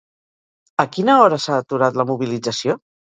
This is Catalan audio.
A quina hora s'ha aturat la mobilització?